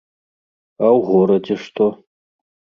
А ў горадзе што?